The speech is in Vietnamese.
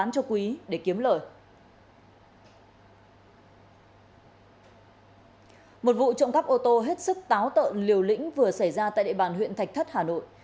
chiếc ô tô hết sức táo tợn liều lĩnh vừa xảy ra tại địa bàn huyện thạch thất hà nội